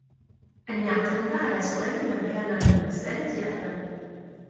أَنْ يَعْتَمِدَ عَلَى سُؤَالِ مَنْ كَانَ لِلْمَسْأَلَةِ أَهْلًا